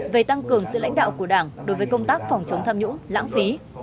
về tăng cường sự lãnh đạo của đảng đối với công tác phòng chống tham nhũng lãng phí